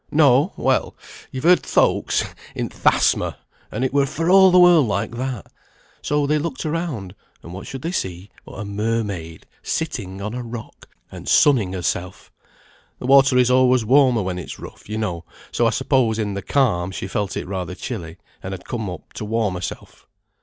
No! Well! you've heard folks in th' asthma, and it were for all the world like that. So they looked around, and what should they see but a mermaid, sitting on a rock, and sunning herself. The water is always warmer when it's rough, you know, so I suppose in the calm she felt it rather chilly, and had come up to warm herself."